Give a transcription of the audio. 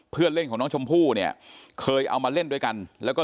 เพื่อนเล่นของน้องชมพู่เคยเอามาเล่นด้วยกัน